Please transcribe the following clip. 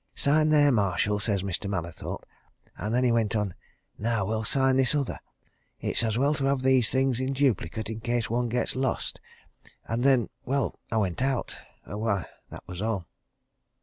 'Sign there, Marshall,' says Mr. Mallathorpe. And then he went on, 'Now we'll sign this other it's well to have these things in duplicate, in case one gets lost.' And then well, then, I went out, and why, that was all."